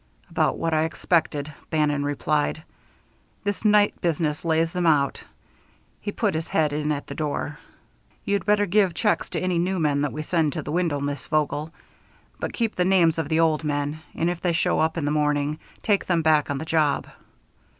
"About what I expected," Bannon replied. "This night business lays them out." He put his head in at the door. "You'd better give checks to any new men that we send to the window, Miss Vogel; but keep the names of the old men, and if they show up in the morning, take them back on the job.